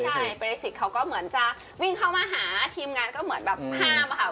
ใช่เปรสิกเขาก็เหมือนจะวิ่งเข้ามาหาทีมงานก็เหมือนแบบห้ามอะค่ะ